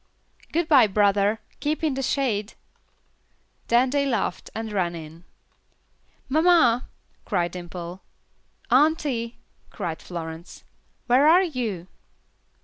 "Good bye, brother, keep in the shade." Then they laughed and ran in. "Mamma," cried Dimple. "Auntie," cried Florence, "where are you?"